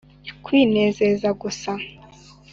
kwinezeza gusa.